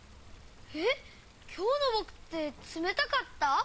えっきょうのぼくってつめたかった？